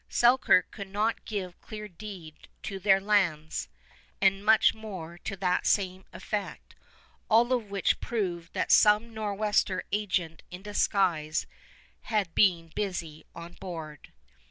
Selkirk could not give clear deed to their "lands," and much more to the same effect, all of which proved that some Nor'wester agent in disguise had been busy on board.